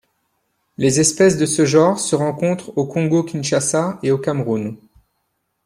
Les espèces de ce genre se rencontrent au Congo-Kinshasa et au Cameroun.